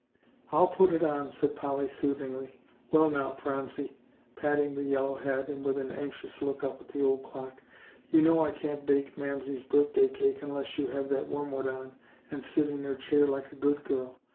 "I'll put it on," said Polly soothingly. "Well, now, Phronsie," patting the yellow head, and with an anxious look up at the old clock, "you know I can't bake Mamsie's birthday cake unless you have that wormwood on and sit in her chair like a good girl.